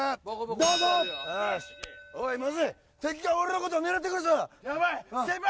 どうぞおいまずい敵が俺のことを狙ってくるぞやばい先輩